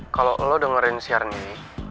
kalau lo dengerin siar nih